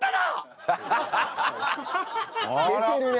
出てるね。